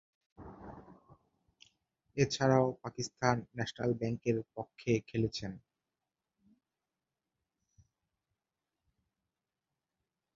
এছাড়াও, পাকিস্তান ন্যাশনাল ব্যাংকের পক্ষে খেলেছেন।